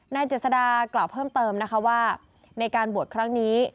เจษฎากล่าวเพิ่มเติมนะคะว่าในการบวชครั้งนี้